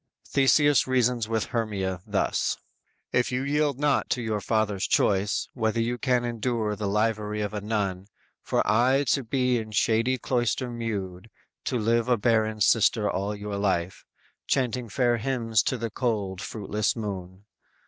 Theseus reasons with Hermia thus: _"If you yield not to your father's choice, Whether you can endure the livery of a nun; For aye to be in shady cloister mewed, To live a barren sister all your life; Chanting fair hymns to the cold, fruitless moon.